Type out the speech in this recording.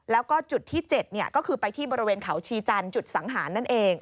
แล้วก็จุดที่๗ก็คือไปที่บริเวณเขาชีจันทร์จุดสังหารนั่นเอง